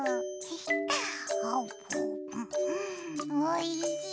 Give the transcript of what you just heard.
おいしい！